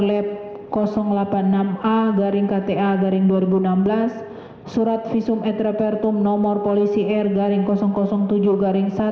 lab delapan puluh enam a garing kta garing dua ribu enam belas surat visum et repertum nomor polisi r garing tujuh garing satu